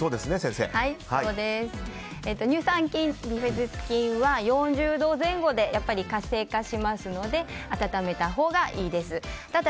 乳酸菌、ビフィズス菌は４０度前後で活性化しますので温めたほうがいいです。